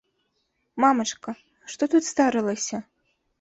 Мамачка, што тут здарылася?